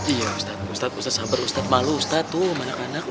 iya ustadz ustadz sabar ustadz malu ustadz tuh anak anak